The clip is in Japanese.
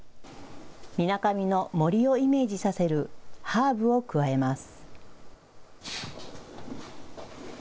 みなかみの森をイメージさせるハーブを加えます。